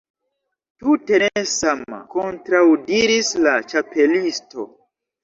"Tute ne sama," kontraŭdiris la Ĉapelisto.